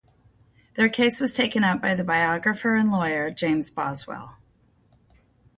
Their case was taken up by the biographer and lawyer, James Boswell.